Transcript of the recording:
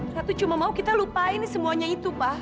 satu cuma mau kita lupain semuanya itu pak